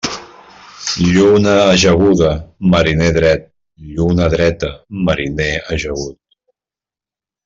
Lluna ajaguda, mariner dret; lluna dreta, mariner ajagut.